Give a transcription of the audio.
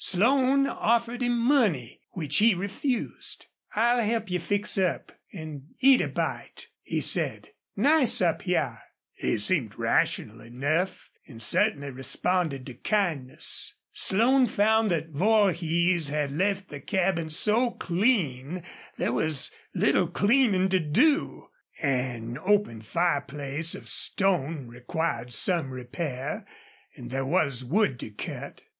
Slone offered him money, which he refused. "I'll help you fix up, an' eat a bite," he said. "Nice up hyar." He seemed rational enough and certainly responded to kindness. Slone found that Vorhees had left the cabin so clean there was little cleaning to do. An open fireplace of stone required some repair and there was wood to cut.